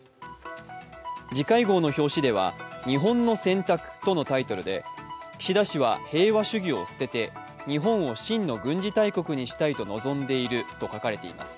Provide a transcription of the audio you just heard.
次回号の表紙では、「日本の選択」とのタイトルで岸田氏は平和主義を捨てて日本を真の軍事大国にしたいと望んでいると書かれています。